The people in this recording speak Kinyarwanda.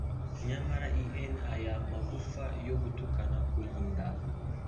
Nyamara e'en aya magufa yo gutukana kurinda